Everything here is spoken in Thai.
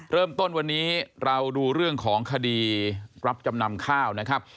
เริ่มต้นวันนี้เราดูเรื่องของคดีรับจำนำข้าวนะครับ